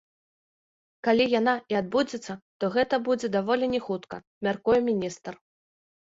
Калі яна і адбудзецца, то гэта будзе даволі не хутка, мяркуе міністр.